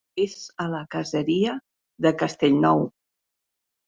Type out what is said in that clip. És a la caseria de Castellnou.